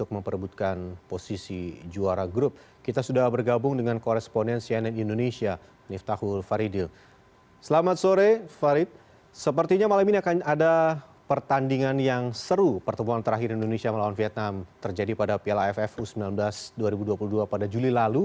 pembangunan terakhir indonesia melawan vietnam terjadi pada pl aff u sembilan belas dua ribu dua puluh dua pada juli lalu